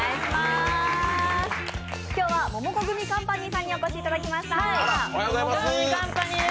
今日は、モモコグミカンパニーさんにお越しいただきました。